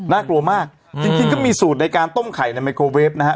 กลัวมากจริงก็มีสูตรในการต้มไข่ในไมโครเวฟนะฮะ